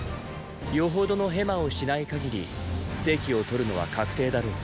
よほどのヘマをしない限り席を獲るのは確定だろう。